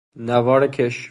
نوار کش